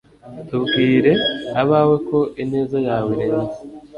tubwire abawe ko ineza yawe irenze